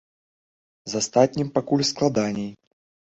З астатнім пакуль складаней.